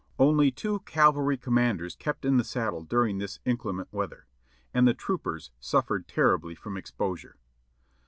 Only two cavalry conmianders kept in the saddle during this inclement weather, and the troopers suffered terribly from ex posure.